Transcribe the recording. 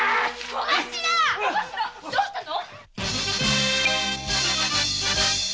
小頭っどうしたの！？